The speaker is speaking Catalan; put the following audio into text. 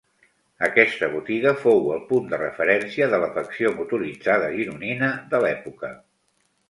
Aquesta botiga fou el punt de referència de l'afecció motoritzada gironina de l'època.